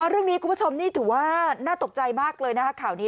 เรื่องนี้คุณผู้ชมถือว่าน่าตกใจมากเลยนะคะข่าวนี้